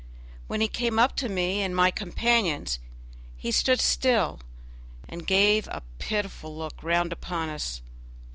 When he came up to me and my companions he stood still and gave a pitiful look round upon us.